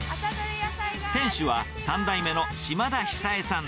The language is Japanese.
店主は３代目の嶋田久栄さん。